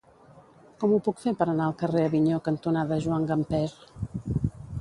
Com ho puc fer per anar al carrer Avinyó cantonada Joan Gamper?